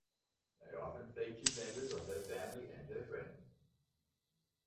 They often featured members of her family and her friends.